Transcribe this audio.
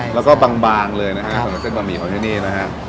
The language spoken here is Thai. แล้วก็บางเลยนะครับเส้นบะหมี่ของที่นี่นะครับ